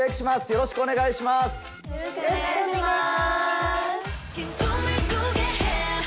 よろしくお願いします。